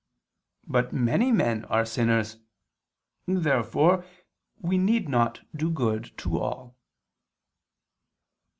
But many men are sinners. Therefore we need not do good to all.